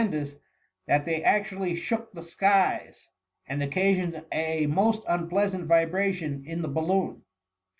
197 dous, that they actually shook the skies^ and occasioned a most unpleasant vibration in the* balloon.